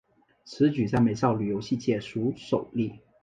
此举在美少女游戏界属首例。